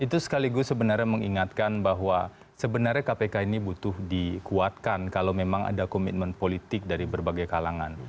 itu sekaligus sebenarnya mengingatkan bahwa sebenarnya kpk ini butuh dikuatkan kalau memang ada komitmen politik dari berbagai kalangan